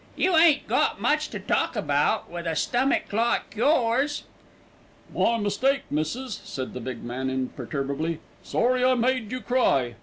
"You ain't got much to talk about, with a stummick like yours." "My mistake, missis," said the big man imperturbably. "Sorry I made you cry."